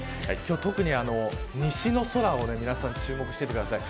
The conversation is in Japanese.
特に西の空を皆さん、注目していてください。